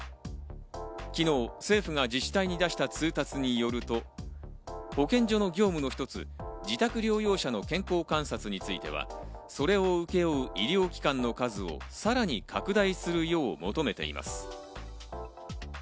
昨日、政府が自治体に出した通達によると、保健所の業務の一つ、自宅療養者の健康観察については、それを請け負う医療機関の数をさらに拡大するよう求めています。